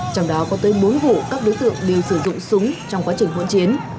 trong đó có tới bốn vụ các đối tượng đều sử dụng súng trong quá trình hỗn chiến